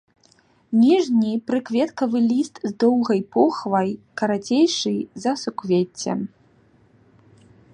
Ніжні прыкветкавы ліст з доўгай похвай, карацейшы за суквецце.